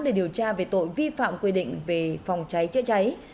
để điều tra về tội vi phạm quy định về phòng cháy chữa cháy